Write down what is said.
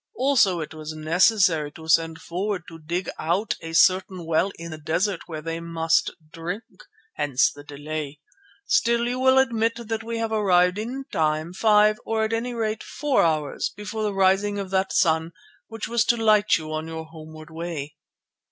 Also it was necessary to send forward to dig out a certain well in the desert where they must drink. Hence the delay. Still, you will admit that we have arrived in time, five, or at any rate four hours before the rising of that sun which was to light you on your homeward way."